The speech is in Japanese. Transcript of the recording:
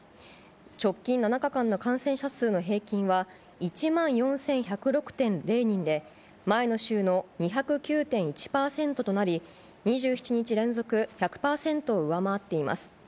直近７日間の感染者数の平均は、１万４１０６．０人で、前の週の２０９．１％となり、２７日連続１００％を上回っています。